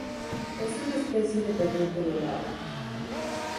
Es una especie dependiente del agua.